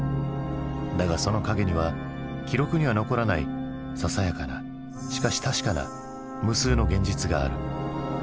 だがその陰には記録には残らないささやかなしかし確かな無数の現実がある。